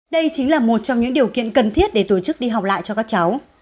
đây chính là một trong những điều kiện cần thiết để tổ chức đi học lại cho các cháu